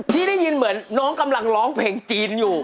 ที่ได้ยินเหมือนน้องกำลังร้องเพลงจีนอยู่